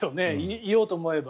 いようと思えば。